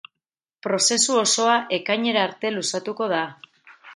Prozesu osoa ekainera arte luzatuko da.